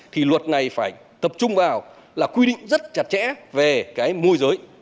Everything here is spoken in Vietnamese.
thì luật này phải tập trung vào là quy định rất chặt chẽ về cái môi giới